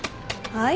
はい。